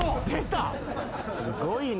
すごいな。